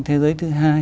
thế giới thứ hai